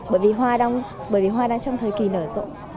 bởi vì hoa đang trong thời kỳ nở rộ